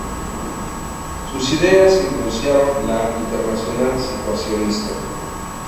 Sus ideas influenciaron la Internacional Situacionista.